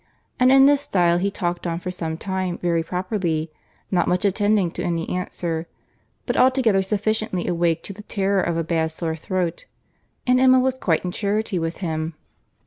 And in this style he talked on for some time very properly, not much attending to any answer, but altogether sufficiently awake to the terror of a bad sore throat; and Emma was quite in charity with him.